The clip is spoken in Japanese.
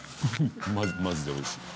マジで美味しい。